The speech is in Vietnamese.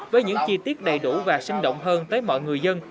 với những chi tiết đầy đủ và sinh động hơn tới mọi người dân